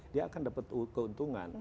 dia akan dapat keuntungan